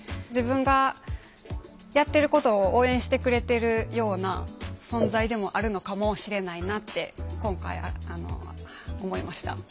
自分がやってることを応援してくれてるような存在でもあるのかもしれないなって今回思いました。